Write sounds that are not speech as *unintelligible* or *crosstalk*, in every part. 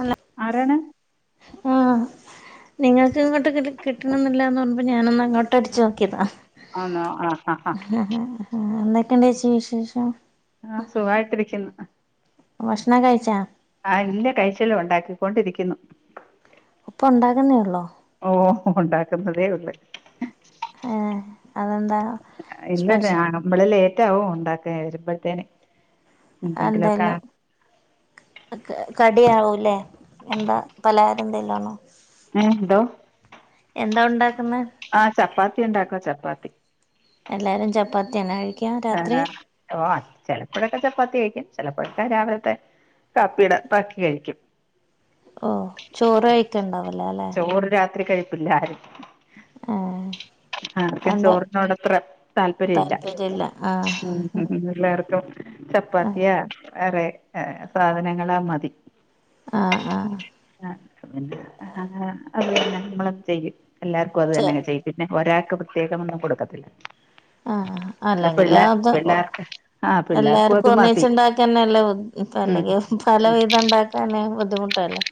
അന്ന *inaudible* ആരാണ് ആഹ് നിങ്ങൾക്ക് ഇങ്ങോട്ട് കിട്ടണില്ലന്ന് പറഞ്ഞപ്പോ ഞാൻ ഒന്ന് അങ്ങോട്ട് അടിച്ചു നോക്കിയതാ ആന്നോ ആഹ് ആഹ് ആഹ് ആഹ് എന്തൊക്കെ ഉണ്ട് ചേച്ചി വിശേഷം ആഹ് സുഖായിട്ടിരിക്കുന്നു ഭക്ഷണം കഴിച്ചോ ആഹ് ഇല്ല കയിച്ചില്ല ഒണ്ടാക്കിക്കൊണ്ടിരിക്കുന്നു ഇപ്പ ഉണ്ടാകുന്നേ ഉള്ളോ ഓഹ് ഒണ്ടാക്കുന്നതേ ഉള്ളൂ ഏഹ് അതെന്താ ഇല്ല രാ സ്പെഷ്യൽ നമ്മള ലേറ്റ് ആവും ഉണ്ടാക്കെ വരുമ്പഴത്തേന് അത്‌ എന്തായാലും കടിയാവൂല്ലേ എന്താ പലഹാരം എന്തേലും ആണോ എഹ് എന്തോ എന്താ ഉണ്ടാക്കുന്നെ ആഹ് ചപ്പാത്തി ഉണ്ടാക്ക ചപ്പാത്തി എല്ലാരും ചപ്പാത്തിയന്ന കഴി ആന്നാ ഓ ചിലപ്പോഴൊക്കെ ചപ്പാത്തി കഴിക്കും ചിലപ്പോഴൊക്കെ രാവിലത്തെ കാപ്പിയുടെ ബാക്കി കഴിക്കും ഓഹ് ചോറ് കഴക്കണ്ടാവല്ലേ അല്ലെ ചോർ രാത്രി കഴിപ്പില്ല ആരും ആഹ് ആർക്കും ചോറിനോട് അത്ര താല്പര്യം ഇല്ല താല്പര്യല്ല ആഹ് മ് - മ്ഹ് എല്ലാർക്കും ആഹ് ചപ്പാത്തിയാ വേറെ സാധനങ്ങളാ മതി- ആഹ് ആഹ് ആഹ് അത് തന്നെ നമ്മൾ ചെയ്യും എല്ലാർക്കും അത് ആഹ് തന്നെെ ചെയ്യും പിന്നെ ഒരാൾക്ക് പ്രത്യേകം ഒന്നും കൊടുക്കത്തില്ല ആഹ് ഇവിടെ അല്ലെങ്കില് പിള്ളേ അത് പിള്ളേർക്ക് ആ പിള്ളേർക്കും എല്ലാർക്കും അത് ഒന്നച്ച് മതി ഉണ്ടാക്ക തന്നെ നല്ലത് ഇപ്പ ഉം അല്ലെങ്കിൽ പല ഉം വിധം ഉണ്ടാക്കാന് ബുദ്ധിമുട്ടല്ലേ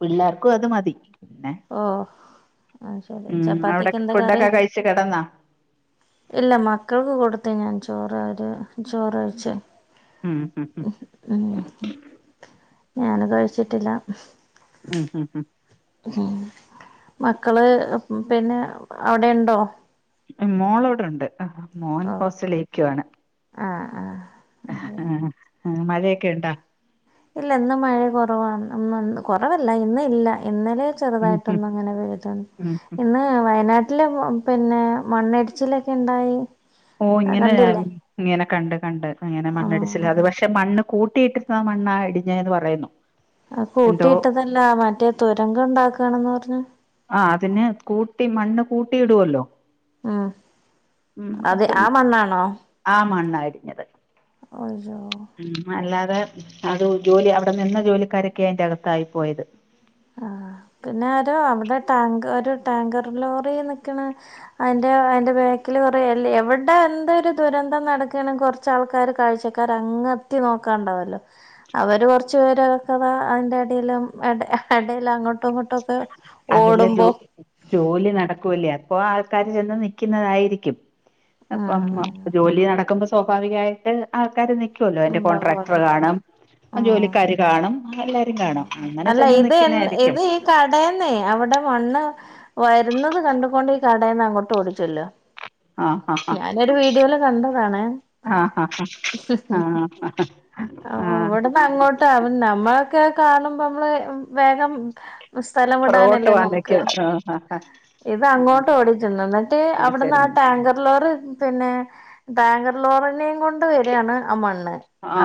പിള്ളേർക്കും അത് മതി പിന്നെ ഓഹ് ആഹ് ശരി ചപ്പാത്തിക്കെന്താ കറി ഇച്ചി കിടന്നാ ഇല്ല മക്കൾക്ക് കൊടുത്ത ഞാൻ ചോറ്അവര് ചോറ്കഴിച്ച്- ഉം മ്ഹ് - ഞാന് കഴിച്ചിട്ടില്ല ഉം ഉം ഉം ഉം മക്കള് പിന്നെ അവിടെ ഉണ്ടോ മ് മോളൊവ്ടുണ്ട് മോൻ ഹോസ്റ്റലിക്കുവാണ് ആഹ ആഹാ ആഹ് മഴയൊക്കെയുണ്ടാ? ഇല്ല ഇന്ന് മഴ കൊറവാണ് ഇന്ന് കൊറവല്ല ഇന്നില്ല ഇന്നലെ ഉം ഉം ചെറ്തായിട്ടൊന്ന്ങ്ങനെ പെയ്ത്ണ് ഉം ഇന്ന് വയനാട്ടില് പ്പൊ പിന്നെ മണ്ണിടിച്ചിലൊക്കെണ്ടായി ഓഹൊ ഇങ്ങനെ യിങ്ങനെ കണ്ട് കണ്ട് അങ്ങനെ ആ മണ്ണടിച്ചില് അത് പക്ഷേ മണ്ണ് കൂട്ടിയിട്ടര്ന്ന മണ്ണാ ഇടിഞ്ഞേന്ന് പറയുന്നു അഹ് എന്തോ കൂട്ടിയിട്ടതല്ല മറ്റേ തുരങ്കം ഇണ്ടാക്കണെന്ന് പറഞ്ഞ് ആഹ് അതിന് കൂട്ടി മണ്ണ് കൂട്ടിയിടുവൊല്ലോ? ആഹാ അതെ ആ മണ്ണാണോ? ആ മണ്ണാ അജേജാ മ് അല്ലാതെ അത് ജോലി അവിടെ നിന്ന ജോലിക്കാരൊക്കെ അയിന്റകത്തായി പോയത് ആഹ പിന്നാരോ അവിടെ ടാങ്ക ഒരു ടാങ്കർ ലോറി നിക്ക്ണെ അയിന്റെ അയിന്റെ ബാക്കില് കൊറെ എവിടെ എന്ത് ഒരു ദുരന്തം നടക്കാണെങ്കി കൊർ ച്ചാൾക്കാാര് കാഴ്ചക്കാര് അങ്ങ് എത്തി നോക്കാണ്ടാവൊല്ലോ? അവര് കൊറച്ചു പേരെക്കതാ അതിന്റെ അടയിലും എട എടേലങ്ങോട്ട് അതല്ലെ ജോ ജോലി നടക്കുവല്ലേ അപ്പൊ ആൾക്കാര് ചെന്ന് നിക്കുന്നതായിരിക്കും അപ്പം ആഹ് ആഹ് ജോലി നടക്കുമ്പോ സ്വാഭാവികായിട്ട് ആൾക്കാര് നിക്കുവല്ലോ അയിന്റെ ഉണ്ടാവുവല്ലോ കോൺട്രാക്ടറ് കാണും ആഹ് ജോലിക്കാര് കാണും എല്ല രും കാണും അങ്ങനെ ചെന്ന് നിക്കുന്നായിരിക്കും കടേന്നെ അവ്ടെ മണ്ണ് വരുന്നത് കണ്ടു കൊണ്ട് ഈ കടേന്ന് അങ്ങോട്ട് ഓടിച്ചെല്ല ആഹ് ആഹ് ആഹ് ഞാനൊരു വീഡിയോല് കണ്ടതാണെ ആഹ് ആഹ ആഹാ ഇവട്ന്നങ്ങോട്ട നമ്മളൊക്കെ കാണുമ്പോ നമ്മള് വേഗം പുറകോട്ട് സ്ഥലംവ്ടാനല്ലേ പോവാൻ നോക്കാ നിക്കും ആഹ് ആഹ് ഇതങ്ങോട്ട് ആഹ് ഓടിച്ചെന്ന് ഇന്നട്ട് അവിട്ന്ന് ആ പിടിച്ചെല്ലുന്നു ടാങ്കർ ലോറി പിന്നെ ടാങ്കർ ലോറിനിം കൊ ണ്ട് വെരാണ് ആ മണ്ണ്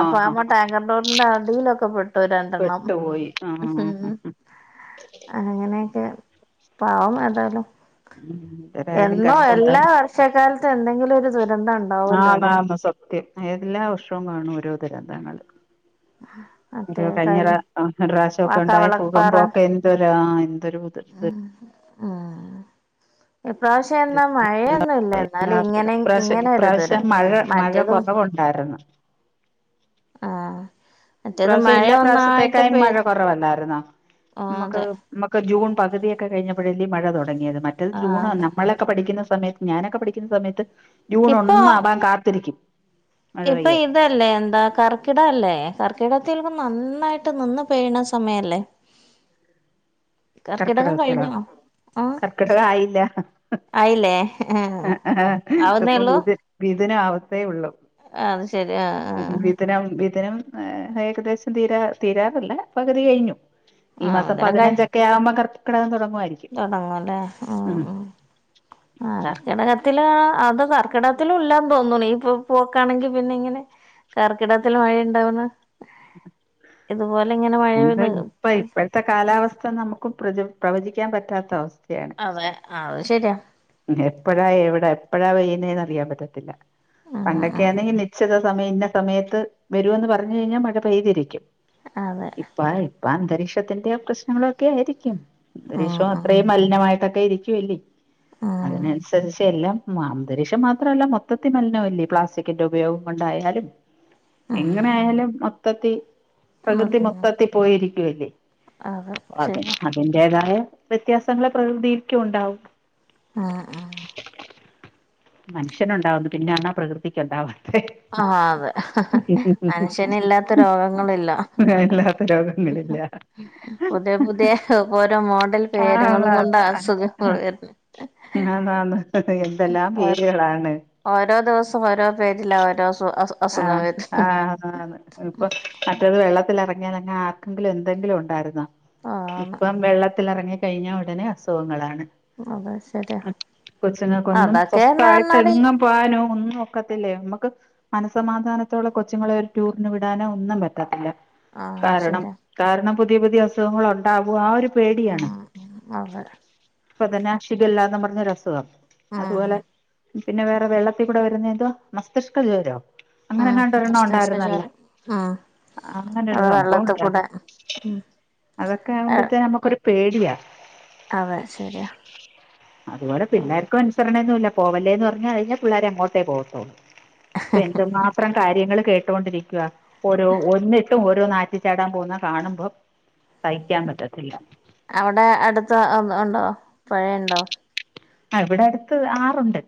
അപ്പൊ ആ ആഹ് മറ്റെ ടാങ്കർ ലോറിന്റെ അടീലൊക്കെ പെട്ടു രണ്ടെണ്ണം ആഹാ അങ്ങനെയെക്കെ പാവം ഏതായാലും എന്തരായാലും എന്നോ കഷ്ടം എല്ലാ തന്നെ വർഷ കാലത്തും എന്തെങ്കിലൊരു ദുരന്തെണ്ടാവൊല്ലലെ? ആന്നാന്ന് സത്യം എല്ലാ വർഷവും കാണും ഓരോ ദുരന്തങ്ങള് ഹാ രു ആ കഴിഞ്ഞെറാശ്യവൊക്കെ ഉണ്ടായ കവളപ്പാറ ഫൂകമ്പൊക്കെ എന്തൊരാ എന്തൊരു ഇത് ഇപ്രാവിശ്യ *unintelligible* ഇപ്രാശ്യം ഇങ്ങനെ ഒരു ഇപ്രാവ്ശ്യം ദുരന്തം മഴ മഴ മറ്റേതും കൊറവുണ്ടായിരുന്നു ആഹാ ഇപ്രാവശ്യം എല്ലാ പ്രാവശ്യത്തേക്കായും പെയ് മഴ കൊറവല്ലായിരുന്നൊ ആഹ് നമ്മക്ക് അതെ മ്മക്ക് ജൂൺ പകുതിയൊക്കെ കഴിഞ്ഞപ്പഴല്ലേ മഴ തൊടങ്ങിയത് മറ്റെത് ആഹ് ജൂണൊന്ന അതെ നമ്മള് ക്കെ പഠിക്കുന്ന സമയത്ത് ഞാനൊക്കെ പഠിക്കുന്ന സമയത്ത് ജൂൺ ഒന്നാവാൻ കാത്തിരിക്കും മഴ ഇപ്പെ പെയ്യാൻ *unintelligible* ഇതല്ലേ എന്താ കർക്കിടവല്ലേ കർക്കിടത്തിലൊക്കെ നന്നായിട്ട് നിന്ന് പെയ്യ്ണ സമയല്ലെ? കർക്കിടകം കഴിഞ്ഞോ? ആഹ് കർക്കിടകായില്ല ആയില്ലേ ആഹ് ആവുന്നേ ഇത്‌പ്പൊ ഉള്ളൂ മിധു മിഥുന ആവത്തേയൊള്ളു അത് ശരി ആഹ് മിഥുനം മിഥുനം ഏഹേ ഏകദേശം തീരാ തീരാറല്ല പകുതി കഴിഞ്ഞു ഈ ആഹ് ആഹ് മാസം പതിനഞ്ചക്കെ ആവുമ്പോ കർക്കിടകം തൊടങ്ങുവായിരിക്കും തുടങ്ങുംല്ലേ ഉം ഉം ആർക്കട ത്ത്ല് കർക്കിടകത്തിലും ഇല്ലന്ന് തോന്നുണ് ഇ പോക്കാണെങ്കി പിന്നെ ഇങ്ങനെ കർക്കിടത്തില് മഴയുണ്ടാവുന്ന് ഇതുപോലെ ഇങ്ങനെ മഴ *unintelligible* ഇപ്പൊ ഇപ്പോഴത്തെ കാലാവസ്ഥ നമുക്കും പ്ര പ്രവചിക്കാൻ പറ്റാത്ത അവസ്ഥയാണ് അതെ അഹ് ശരിയാ എപ്പോഴാ എവിടെ എപ്പഴാ പെയ്യുന്നേന്ന് അറിയാൻ പറ്റത്തില്ല ഉം ഉം പണ്ടൊക്കൊണെ നിശ്ചത സമയം ഇന്ന സമയത്ത് വരുമന്ന് പറഞ്ഞ് കഴിഞ്ഞാ മഴ പെയ്തിരിക്കും അതെ ഇപ്പ ആഹ് ഇപ്പ ആഹ് അന്തരീക്ഷത്തിന്റെ പ്രശ്നങ്ങളൊക്കെ ആയിരിക്കും ഉം അന്തരീക്ഷവും ഉം അത്രയും മലിനമായിട്ടൊക്കെ ഇരിക്കൂല്ലേ ഉം അതിനനുസരിച്ച് എല്ലാം അന്തരീക്ഷം മാത്രമല്ല മൊത്തത്തിൽ മലിനം അല്ലെ പ്ലാസ്റ്റിക്കിന്റെ ഉപയോഗം കൊണ്ടായാലും എങ്ങനെ ആയാലും മൊത്തത്തി പ്രകൃതി മൊത്തത്തി പോയിരിക്കുവല്ലേ അതെ അത് ശരിയാ അതിന്റെതായ വ്യത്യാസങ്ങളെ പ്രകൃതിക്കും ഉണ്ടാവും ആഹ് മനുഷ്യൻ ഉണ്ടാവുന്ന് പിന്നെണ പ്രകൃതിക്ക് ഉണ്ടാവാൻ ആഹ് അതെ മനുഷ്യന് ഇല്ലാത്ത രോഗങ്ങളില്ല ഇല്ലാത്ത രോഗങ്ങളില്ല പുതിയ പുതിയ ഓരോ മോഡൽ ആഹ് പേരുകളും കൊണ്ട് അസുഖങ്ങള് ആന്നാന്ന് വർണെ എന്തെല്ലാം *unintelligible* പേരുകളാണ് ഓരോ ദിവസം ഓരോ പേരില ഓരോ *unintelligible* ആഹ് വരുന്നു ആഹ് ന്നോ ഇപ്പൊ മറ്റേത് വെള്ളത്തി ഇറങ്ങിയൽങ്ങെ ആർക്കെങ്കിലും എന്തെങ്കിലും ഉണ്ടായിരുന്നോ ആണ് ഇപ്പം വെള്ളത്തിൽ ഇറങ്ങി കഴിഞ്ഞാ ഉടനെ അസുഖങ്ങളാണ് അത് ശരിയാ കൊച്ചുങ്ങക്കൊന്നും അതൊക്കെന്ന് പറഞ്ഞാല് സ്വസ്ഥായിട്ടെങ്ങും പോവാനോ ഒന്നും ഒക്കത്തില്ലേ നമക്ക് മനസമാധാനത്തോള കൊച്ചുങ്ങളെ ഒരു ടൂറിന് വിടാനൊ ഒന്നും പറ്റത്തില്ല ആഹ് കാരണം ശരിയാ കാരണം പുതിയ പുതിയ അസുഖങ്ങൾ ഉണ്ടാവോ ആഹ് ഒരു പേടിയാണ് ഉം അതെ ഇപ്പൊതന്നെ ഷികല്ലാന്ന് പറഞ്ഞൊരു അസുഖം ഉം അതുപോലെ പിന്നെ വേറെ വെള്ളത്തിൽ കൂടെ വരുന്ന എന്തുവാ മസ്തിഷ്ക ജ്വരോ ഉം അങ്ങനെങ്ങണ്ടൊരെണ്ണം ഉണ്ടായിരുന്നല്ല മസ്തിഷ്കജ്വരം ഉം അങ്ങനെരു അത് സംഭവം വെള്ളത്തി ഉണ്ടായി കൂടെ ഉം അതൊക്കെ ആകുമ്പോഴത്തേ നമ്മുക്കരു പേടിയാ അതെ ശരിയാ അതുപോലെ പിള്ളേർക്ക അനുസരണെന്നും ഇല്ല പോവല്ലേ എന്ന് പറഞ്ഞ കഴിഞ്ഞാ പിള്ളേരെ അങ്ങോട്ടേ പോവത്തുള്ളൂ ഇപ്പ എന്തുമാത്രം കാര്യങ്ങൾ കേട്ടുകൊണ്ടിരിക്കുക ഓരോ ഒന്നിട്ടും ഓരോ നാടി ചാടാൻ പോകുന്ന കാണുമ്പം സഹിക്കാൻ പറ്റത്തില്ല. അവിടെ അടുത്ത ഉണ്ടോ പുഴയുണ്ടോ? ആഹ് ഇവിടെ അടുത്ത് ആറുണ്ട്.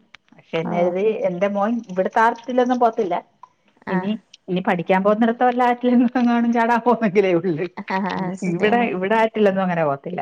ഓ പിന്നെത് എന്റെ മോൻ ഇവിടെ ആറ ത്തില്ലൊന്നും പോത്തില്ല ഇനി ആഹ് ഇനി പഠിക്കാൻ പോവു ന്നിടത്ത് വല്ല ആറ്റിലങ്ങാണും ചാടാൻ പോകുന്നെങ്കിലേ ഉള്ള് ആഹ് ശരിയാ ഇവിടെ ഇവിട അങ്ങനെ പോത്തില്ല.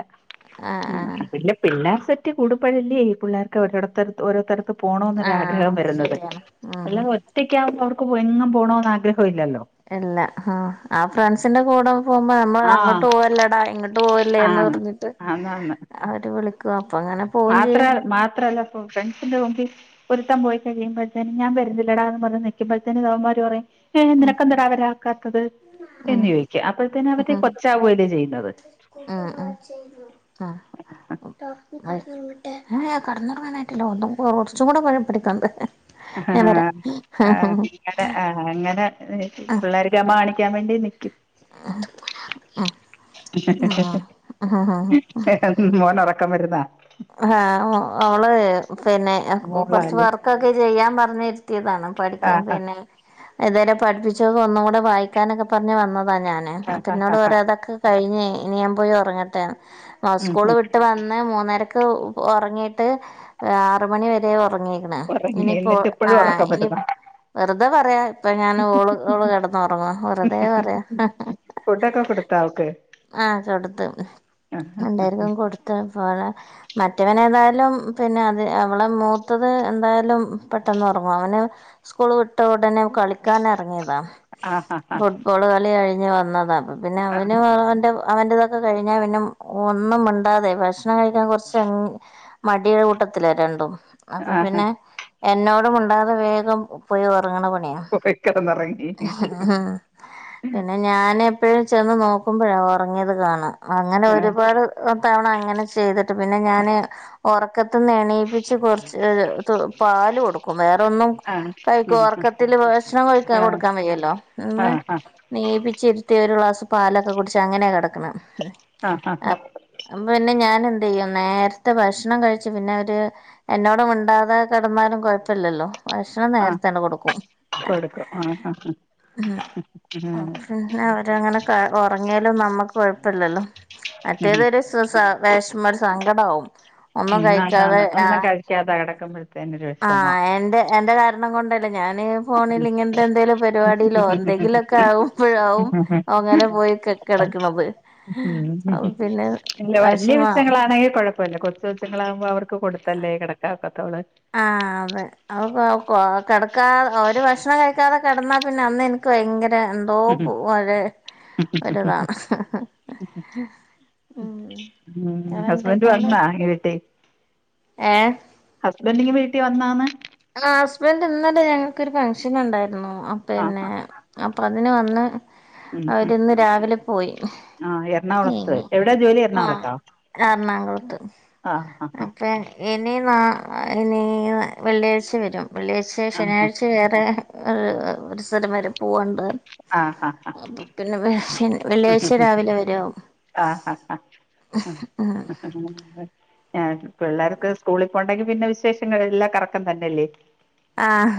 ആഹ് ആഹ് പിന്നെ പിള്ളേർ സെറ്റ് കൂടുമ്പഴെ ഈ പിള്ളേർക്കവരോടൊത്ത് ഓരോത്തരത്ത് പോണോന്നൊ ആഹ് രാഗ്രഹം വരുന്നത് ശരിയാണ് ഉം അല്ല ഒറ്റകാവുമ്പോ അവർക്ക് എങ്ങും പോ ണോന്ന് ആഗ്രഹഇല്ലല്ലോ എല്ല ഹാ ആഹ് ഫ്രാൻസിന്റെ കൂടവും പോകുമ്പോ നമ്മ അങ്ങോട്ട് ആഹ് പോവല്ലടാ ഇങ്ങോട്ട് പോവല്ലേന്ന് ആണ് പറഞ്ഞിട്ട് ആന്നാന്ന് അവര് വിളിക്കും അപ്പോ അങ്ങനെ പോവും മാത്ര ചെയ്യും മാത്രല്ല പ്പൊ ഫ്രണ്ട്സിന്റെ മുമ്പി ഒരുത്തം പോയികഴിയുമ്പഴത്തേനെ ഞാൻ വരുന്നില്ലടാന്ന് പറഞ് നിൽക്കുമ്പോഴത്തേനും തവന്മാര് പറയും ഉം ഏതിനയ്ക്കുനിനക്കെന്തടാവരാനൊ ഉം ചോയ്ക്കും അപ്പോഴ്ത്തന്നെ അവര് കൊച്ചാവുകല്ലേ ചെയ്യുന്നത് ആ അ കടന്നൊറങ്ങാനായിട്ടില്ല ഒന്നും കുറച്ചും കൂടെ പഠിക്കാണ്ട് ഞാൻ വരാ ഹ ങ്ങട ആ അങ്ങനെ ആ പിള്ളേർ ഗമ കാണിക്കാൻ വേണ്ടി നിക്കി ആ ആ ആ അള്ള *unintelligible* മോനറക്കം വരുന്നാ ആഹ ഓള് പിന്നെ കുറച്ച് മോളാല്ലേ വർക്കൊക്കെ ചെയ്യാൻ പറഞ്ഞിരുത്തിയതാണ് പഠിക്കാൽ ആഹ് പിന്നെ ഇതുവരെ പഠിപ്പിച്ചോക്കെ ഒന്നുംകൂടെ വായിക്കാനൊക്കെ പറഞ്ഞ് വന്നതാ ഞാൻ ആഹ് അപ്പ ആഹ് ഇന്നോട് പറെ ആഹ് അതൊക്കെ കഴിഞ്ഞ് ഇനിയാൻ പോയി ഉറങ്ങട്ടെന്ന് ഉം സ്കൂള് ഉം വിട്ട് വന്ന് മൂന്നര ക് ഉറങ്ങിയിട്ട് ആറുമണി വരെ ഉറങ്ങി ഉറങ്ങി ഇനിപ്പോ എന്നിട്ട് ഇപ്പഴും ആഹ് ഉറക്കം ഇനി വരുന്നാ വെറുതെ പറയാ ഇപ്പൊ ഞാൻ ഓള് ഓള് കിടന്ന് ഉറങ്ങുവ വെറുതെ പറയാ ഫുഡൊക്കെ കൊടുത്തൊ അവൾക്ക് ആഹ് കൊടുത്തു *unintelligible* കൊടുത്ത പോലെ മറ്റവന ഏതായാലും പിന്നെ അത് അവളെ മൂത്തത് എന്തായാലും പെട്ടെന്ന് ഉറങ്ങും അവന് സ്കൂൾ വിട്ട ഉടനെ കളിക്കാന റങ്ങിയതാ ആ ആ ആ ഫുട്‌ബോൾ കളി കഴിഞ്ഞ് വന്നതാണ് അപ്പം പിന്നെ അവന് ആഹ് എൻ്റെ അവന്റ ഇതൊക്കെ കഴിഞ്ഞാൽ പിന്നെ ഒന്നുംമിണ്ടാതെ ഭക്ഷണം കഴിക്കാൻ കുറച്ച് മടിയുള്ള കൂട്ടത്തിലാ രണ്ടും അപ്പൊ ആഹ് പിന്നെ എന്നോടും മിണ്ടാതെ വേഗം പോയി ഉറങ്ങണ പണിയാ പോയി കിടന്നുറങ്ങി പിന്നെ ഞാനപ്പഴും ചെന്ന് നോക്കുമ്പോഴ ഉറങ്ങിയത് കാണ അങ്ങനെ ആഹ് ഒരുപാട് തവണ അങ്ങനെ ചെയ്തിട്ട് പിന്നെ ഞാന് ഉറക്കത്തിന്ന് എണീപ്പ ച്ച് കൊറച്ച് പാല് കൊടുക്കും വേറൊ ന്നും ആഹ് കഴിക്കും ഉറക്കത്തിൽ ഭക്ഷണം കഴിക്ക ആഹ് കൊടുക്കാൻ വയ്യല്ലോ ആഹ് ഉന്ന് ആഹ് നീപിച്ചിരുത്തി ഒരു ഗ്ലാസ് പാലൊക്കെ കുടിച്ച് അങ്ങനെ കിടക്ക്ണെ ആഹ് ആഹ് ആഹ് അപ്പം പിന്നെ ഞാൻ എന്തെയ്യും നേരത്തെ ഭക്ഷണം കഴിച്ചു പിന്നെവ ര് എന്നോട് മിണ്ടാതെ കിടന്നാലും കുഴപ്പല്ലല്ലോ ഭക്ഷ ഭക്ഷണം ആഹ് നേരത്ത കൊടുക്കും കൊടുക്കും ആഹ് ആഹ് ഉം പി അവരങ്ങനെ ഉറങ്ങിയാലും നമ്മുക്ക് കൊഴപ്പല്ലല്ലോ മറ്റേതൊരു സങ്കടാവും ഒന്നും കഴിക്കാതെ ആ ക്കാതെ കിടക്കുമ്പൊഴെ ആഹ് എന്റെ എന്റെ കാരണം കൊണ്ടല്ലേ ഞാന് ഉം ഫോണിൽ ഇങ്ങനത്തെ എന്തെലിലും പരിപാടിയിലോ എന്തെങ്കിലുമൊക്കെ ആകുമ്പോഴാവും അങ്ങനെ പോയിക്ക കിടക്കണത് ഉ ഉംല്ല വലിയ വെഷമാവും വിഷങ്ങളാണെങ്കിൽ കുഴപ്പ ഇപ്പല്ല കൊച്ച് കൊച്ച്ങ്ങളാവുമ്പോ അവർക്ക് കൊടുത്തല്ലേ കിടക്കാ ഒക്കത്തുള്ളൂ ആഹ് അതെ ഔ കൊ കിടക്കാത ഒര ഭക്ഷണം കഴിക്കാതെ കെടന്നാ പിന്നെ അന്ന് എനിക്ക് ഭയങ്കര തോപോലൊരു ഒരുതാണ് ളം ഹസ്ബൻഡ് വന്നോ *unintelligible* ഏ ഹസ്ബൻങ്ങി വീട്ടി വന്നോന്ന്? ആ ഹസ്ബന്ഡ് ഇന്നലെ ആ ഞങ്ങക്ക് ഒരു ഫംഗ്ഷൻ ഉണ്ടായിരുന്നു ആ പിന്നെ ആ അപ്പൊ അതിന് വന്ന് ഉം ഉം അവരിന്ന് രാവിലെ പോയി ആ എറണാകുളത്ത് നീങ്ങി എവിടാ ജോലി ആ എറണാകുളത്തോ എറണാകുളത്ത് ആ ആ ആ അപ്പൊ ഇനി ന ഇനി വെള്ളിയാഴ് ച്ച വരും വെള്ളിയാഴ്ച ആ ശനിയാഴ്ച വേറെ ഒരു ഒരു സ്ഥലം വരെ പൂവാൻണ്ട് ആ ആ അപ്പ പിന്നെ വെള്ളിയാഴ്ച രാവിലെ വരാവും ആ ആ *unintelligible* ആ പിള്ളേർക്ക് സ്കൂളിൽ പോണ്ടെങ്കി പിന്നെ വിശേഷങ്ങെല്ലാം കറക്കം തന്നെയല്ലേ ആഹ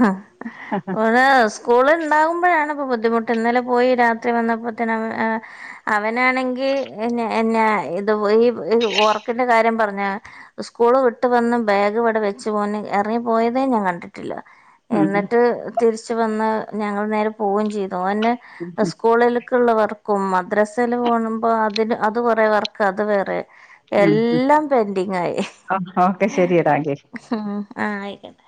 ഓരെ സ് സ്കൂള് ഉണ്ടാകുമ്പോഴാണ് ഇപ്പോ ബുദ്ധിമുട്ട് ഇന്നലെ പോയി രാത്രി വന്നപ്പോത്തിന് അവൻ അവനാണെങ്കിൽ എന്ന ഇത് ഈ ഒർക്കിന്റെ കാര്യം പറഞ്ഞ സ്കൂള് വിട്ട് വന്ന് ബാഗ് ഇവ്ടെ വെച്ച് ഓൻ ഇറങ്ങിപ്പോയതേ ഞാൻ കണ്ടിട്ട് ട്ടില്ല ഉം എന്നിട്ട് തിരിച് വന്ന് ഞങ്ങൾ നേരെ പോവും ചെയ്തു ഓന് ഉം ഉം സ്കൂളില് ഉള്ള വർക്കും മദ്രസൽ പോണുമ്പോ അതിന് അത് കുറേ വർക്ക് അത് വേറെ ഉം എല്ലാം പെൻഡിങ് ആയി ഓ, ഓക്കെ ശരിയെടാ എങ്കിൽ ഉം ആഹ് ആയിക്കോട്ടെ